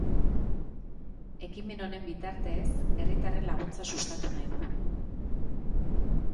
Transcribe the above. Ekimen honen bitartez, herritarren laguntza sustatu nahi du.